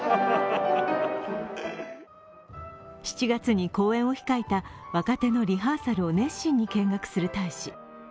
７月に公演を控えた若手のリハーサルを熱心に見学する大使。